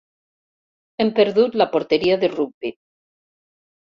Hem perdut la porteria de rugbi.